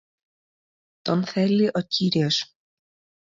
Τον θέλει ο Κύριος.